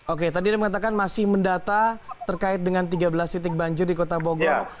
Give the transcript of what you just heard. oke tadi anda mengatakan masih mendata terkait dengan tiga belas titik banjir di kota bogor